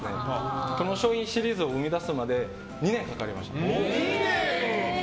この商品シリーズを生み出すまで２年かかりました。